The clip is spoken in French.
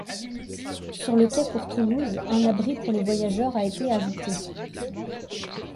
Sur le quai pour Toulouse, un abri pour les voyageurs a été ajouté.